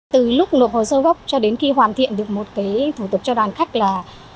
từ lúc nộp hồ sơ gốc cho đến khi hoàn thiện được một thủ tục cho đoàn khách là